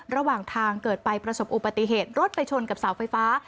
ระหว่างทางเกิดไปประสบอุบัติเหตุรถไปชนกับเสาไฟฟ้า